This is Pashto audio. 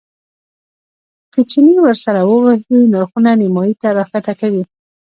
که چنې ورسره ووهې نرخونه نیمایي ته راښکته کوي.